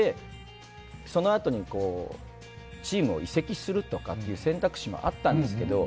そのあとにチームを移籍するとかという選択肢もあったんですけど